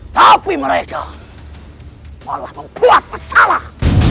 tapi mereka malah membuat masalah